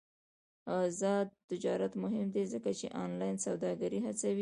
آزاد تجارت مهم دی ځکه چې آنلاین سوداګري هڅوي.